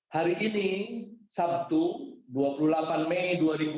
hari ini sabtu dua puluh delapan mei dua ribu dua puluh